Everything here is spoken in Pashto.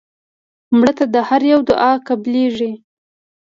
مړه ته د هر یو دعا قبلیږي